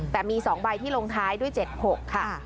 แต่มี๒ใบที่ลงท้ายด้วย๗๖ค่ะ